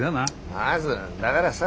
まずんだがらさ